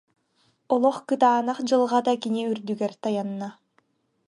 Олох кытаанах дьылҕата кини үрдүгэр тайанна